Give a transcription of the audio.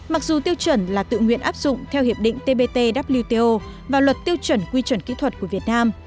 mặc dù tiêu chuẩn là tự nguyện áp dụng theo hiệp định tbtwto và luật tiêu chuẩn quy chuẩn kỹ thuật của việt nam